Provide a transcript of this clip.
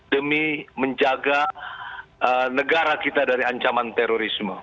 demi menjaga negara kita dari ancaman terorisme